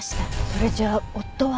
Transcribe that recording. それじゃあ夫は。